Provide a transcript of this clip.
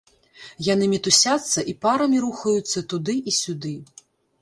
Яны мітусяцца і парамі рухаюцца туды і сюды.